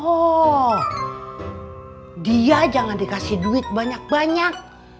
oh dia jangan dikasih duit banyak banyak